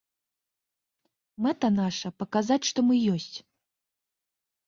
Мэта наша паказаць, што мы ёсць.